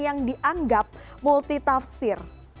yang dianggap multi tafsir